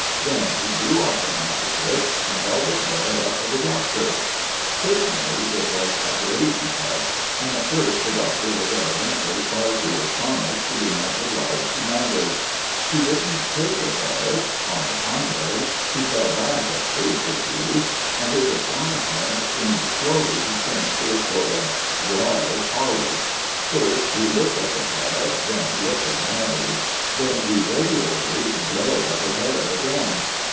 Then he drew off the handkerchief and held the parrot up to the Doctor. Certainly it was a great effect, and at first the Doctor was evidently far too astonished to be much obliged to Mathers. He didn't take the parrot—on the contrary, he fell back a pace or two, and his astonishment seemed slowly to change to a sort of wild horror. First he looked at the parrot, then he looked at Mathers, then he regularly glared at the parrot again.